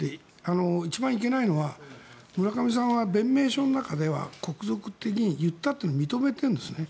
一番いけないのは村上さんは弁明書の中では国賊って言ったと認めているんですね。